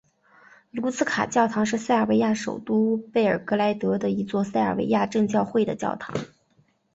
卢茨卡教堂是塞尔维亚首都贝尔格莱德的一座塞尔维亚正教会的教堂。